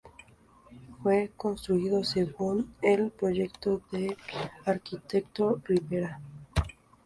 Fue construido según el proyecto del arquitecto R. Rivera.